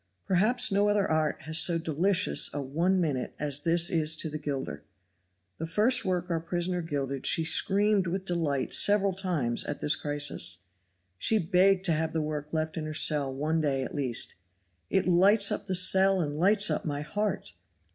Perhaps no other art has so delicious a one minute as this is to the gilder. The first work our prisoner gilded she screamed with delight several times at this crisis. She begged to have the work left in her cell one day at least. "It lights up the cell and lights up my heart."